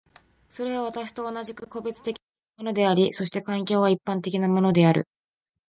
それは私と同じく個別的なものであり、そして環境は一般的なものである。